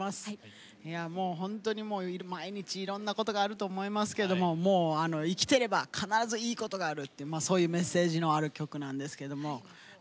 本当に毎日いろんなことがあると思いますがもう生きてれば必ずいいことがあるっていうそういうメッセージのある曲なんですけれども。